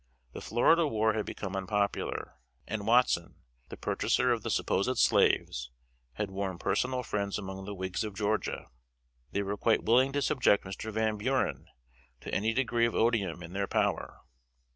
The Florida War had become unpopular; and Watson, the purchaser of the supposed slaves, had warm personal friends among the Whigs of Georgia. They were quite willing to subject Mr. Van Buren to any degree of odium in their power.